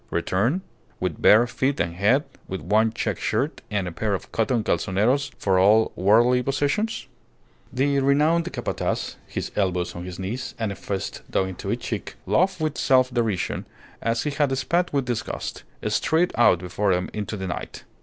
Return? With bare feet and head, with one check shirt and a pair of cotton calzoneros for all worldly possessions? The renowned Capataz, his elbows on his knees and a fist dug into each cheek, laughed with self derision, as he had spat with disgust, straight out before him into the night.